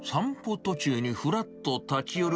途中にふらっと立ち寄る